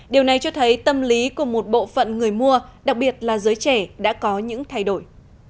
điều này cho thấy tâm lý của một bộ phận người mua đặc biệt là giới trẻ đã có những thay đổi